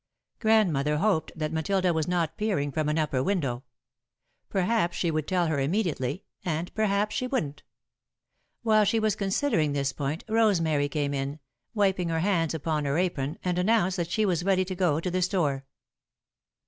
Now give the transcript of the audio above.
Grandmother hoped that Matilda was not peering from an upper window. Perhaps she would tell her immediately, and perhaps she wouldn't. While she was considering this point, Rosemary came in, wiping her hands upon her apron, and announced that she was ready to go to the store.